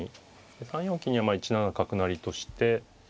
３四金には１七角成として。